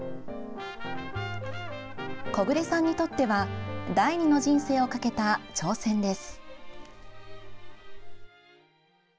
木榑さんにとっては第２の人生をかけた挑戦です。